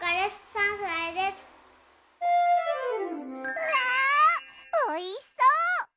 うわおいしそう！